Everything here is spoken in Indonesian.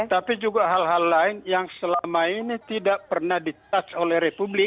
tapi juga hal hal lain yang selama ini tidak pernah di touch oleh republik